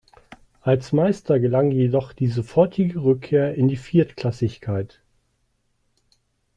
Als Meister gelang jedoch die sofortige Rückkehr in die Viertklassigkeit.